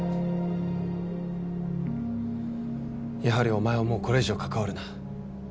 やはりおまえはもうこれ以上関わるな。